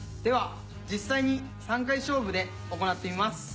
では実際に３回勝負で行ってみます。